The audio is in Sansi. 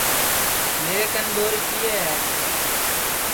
میرے کن دؔو ریپئے ہے